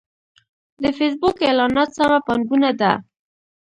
د فېسبوک اعلانات سمه پانګونه ده.